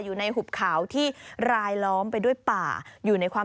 อยู่ในหุบขาวที่รายล้อมไปด้วยป่า